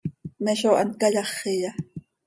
¿Me zó hant cayáxiya?